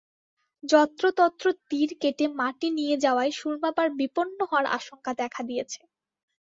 যত্রতত্র তীর কেটে মাটি নিয়ে যাওয়ায় সুরমাপাড় বিপন্ন হওয়ার আশঙ্কা দেখা দিয়েছে।